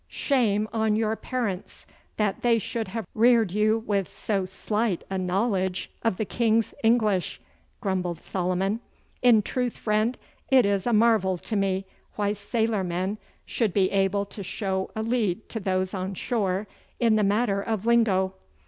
'Shame on your parents that they should have reared you with so slight a knowledge o' the King's English!' grumbled Solomon. 'In truth, friend, it is a marvel to me why sailor men should be able to show a lead to those on shore in the matter of lingo.